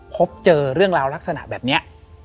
พบเจอเรื่องราวลักษณะแบบนี้